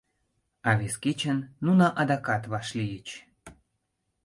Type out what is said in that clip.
А вес кечын нуно адакат вашлийыч.